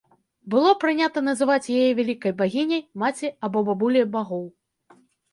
Было прынята называць яе вялікай багіняй, маці або бабуляй багоў.